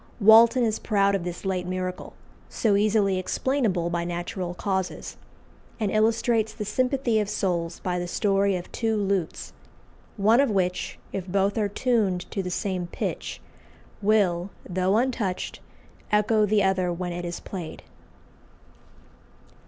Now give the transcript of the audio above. Walton is proud of this late miracle, so easily explainable by natural causes; and illustrates the sympathy of souls by the story of two lutes, one of which, if both are tuned to the same pitch, will, though untouched, echo the other when it is played.